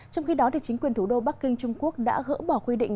trong khi đó chính quyền thủ đô bắc kinh trung quốc đã gỡ bỏ quy định